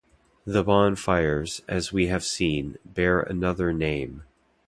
The bonfires, as we have seen, bear another name.